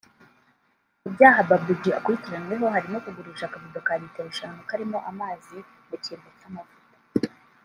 Mu byaha Babou G akurikiranweho harimo kugurisha akabido ka Litiro eshanu karimo amazi mu cyimbo cy’amavuta